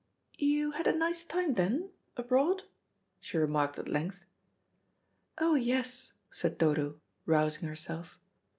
"You had a nice time then, abroad?" she remarked at length. "Oh, yes," said Dodo, rousing herself.